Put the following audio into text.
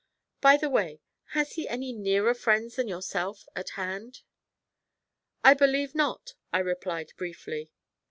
By the way, has he any nearer friends than yourself at hand?' 'I believe not,' I replied briefly.